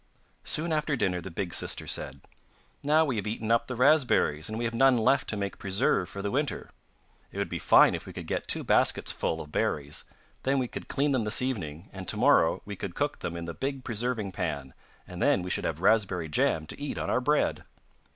Soon after dinner the big sister said: 'Now we have eaten up the raspberries and we have none left to make preserve for the winter; it would be fine if we could get two baskets full of berries, then we could clean them this evening, and to morrow we could cook them in the big preserving pan, and then we should have raspberry jam to eat on our bread!